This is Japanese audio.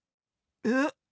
えっ？